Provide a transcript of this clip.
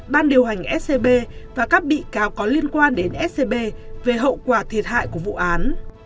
ban điều hành scb và các bị cáo có liên quan đến scb về hậu quả thiệt hại của vụ án